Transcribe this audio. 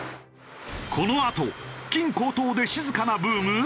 このあと金高騰で静かなブーム？